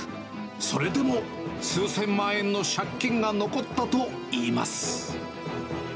それでも数千万円の借金が残ったといいます。